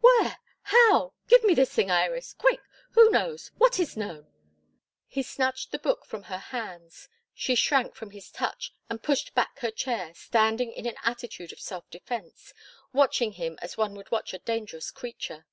"Where? How? Give me the thing, Iris. Quick! Who knows? What is known?" He snatched the book from her hands. She shrank from his touch, and pushed back her chair, standing in an attitude of self defence watching him as one would watch a dangerous creature.